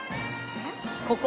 ここ？